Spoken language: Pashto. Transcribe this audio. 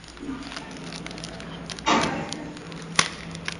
د ځمکې د حاصلخېزۍ ښه والی د کرنیزې کښت ښه والی رامنځته کوي.